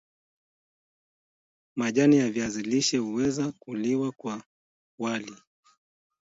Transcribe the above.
Majani ya viazi lishe huweza kuliwa kwa wali